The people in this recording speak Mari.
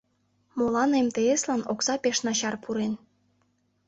Молан МТС-лан окса пеш начар пурен?